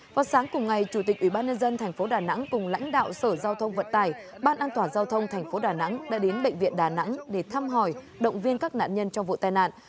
vào sáng cùng ngày chủ tịch ubnd tp đà nẵng cùng lãnh đạo sở giao thông vận tải ban an toàn giao thông thành phố đà nẵng đã đến bệnh viện đà nẵng để thăm hỏi động viên các nạn nhân trong vụ tai nạn